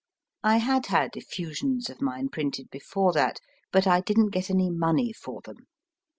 I had had effusions of mine printed before that, but I didn t get any money for them.